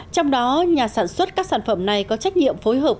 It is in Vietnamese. trong đó nhà sản xuất các sản phẩm này có trách nhiệm phối hợp